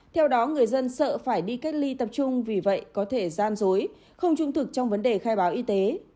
theo đó người dân sợ phải đi cách ly tập trung vì vậy có thể gian dối không trung thực trong vấn đề khai báo y tế